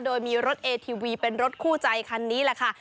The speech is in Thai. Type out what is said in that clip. โดยมีรถเอทีวีเป็นรถคู่ใจคันนี้แหละค่ะ